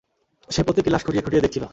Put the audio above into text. সে প্রত্যেকটি লাশ খুঁটিয়ে খুঁটিয়ে দেখছিল।